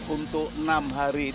untuk enam hari